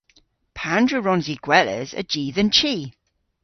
Pandr'a wrons i gweles a-ji dhe'n chi?